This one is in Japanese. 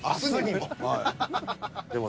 はい。